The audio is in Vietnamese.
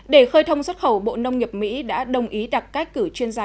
để khơi thông xuất khẩu bộ nông nghiệp mỹ đã đồng ý đặt cách cử chuyên gia